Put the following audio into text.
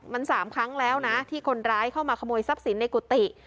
มัน๓ครั้งแล้วนะที่คนร้ายเข้ามาขโมยทรัพย์สินในกุฏิ